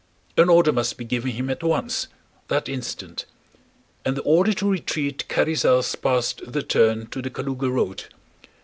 An order must be given him at once, that instant. And the order to retreat carries us past the turn to the Kalúga road.